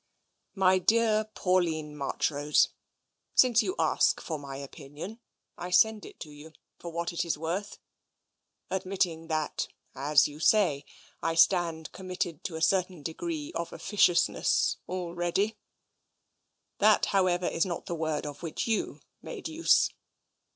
My dear Pauline Marchrose, Since you ask for my opinion, I send it to you for what it is worth, admitting that, as you say, I stand 271 272 TENSION committed to a certain degree of oMciousness already. That, however, is not the word of which you made use.